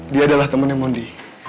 dia adalah temannya modi